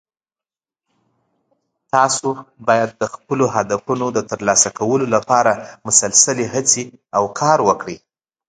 تاسو باید د خپلو هدفونو د ترلاسه کولو لپاره مسلسلي هڅې او کار وکړئ